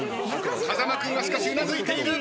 風間君はしかしうなずいている。